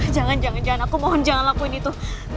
jangan jangan aku mohon jangan lakuin itu